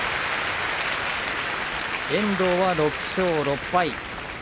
遠藤は６勝６敗。